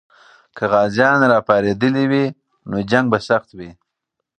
که غازیان راپارېدلي وي، نو جنګ به سخت وي.